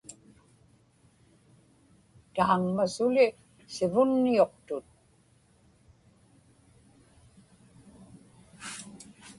taaŋma suli sivunniuqtut